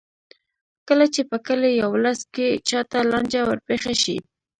کله چې په کلي یا ولس کې چا ته لانجه ورپېښه شي.